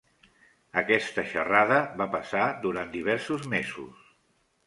Aquesta xerrada va passar durant diversos mesos.